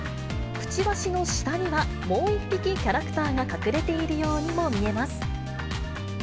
くちばしの下にはもう１匹キャラクターが隠れているようにも見えます。